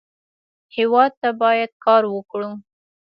هېواد ته باید کار وکړو